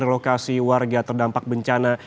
lokasi warga terdampak bencana